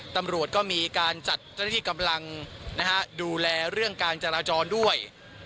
ตำรวจก็มีการจัดเจ้าหน้าที่กำลังดูแลเรื่องการจราจรด้วย